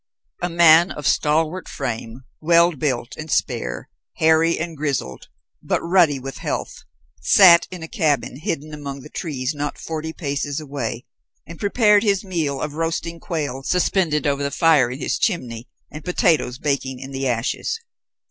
A man of stalwart frame, well built and spare, hairy and grizzled, but ruddy with health, sat in a cabin hidden among the trees not forty paces away, and prepared his meal of roasting quail suspended over the fire in his chimney and potatoes baking in the ashes.